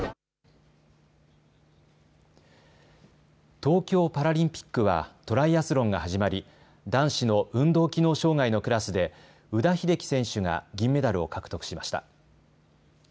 東京パラリンピックはトライアスロンが始まり男子の運動機能障害のクラスで宇田秀生選手が銀メダルを獲得しました。